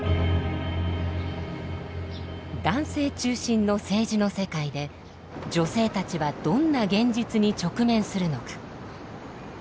男性中心の政治の世界で女性たちはどんな現実に直面するのか。